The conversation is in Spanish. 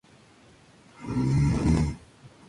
Relatos sobre feminicidios".